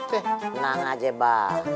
tenang aja mbak